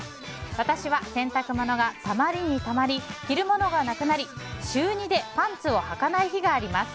私は洗濯物がたまりにたまり着るものがなくなり週２でパンツをはかない日があります。